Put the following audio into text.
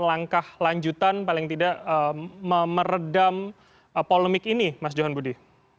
langkah lanjutan paling tidak meredam polemik ini mas johan budi